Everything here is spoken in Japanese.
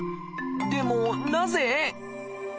でもなぜ？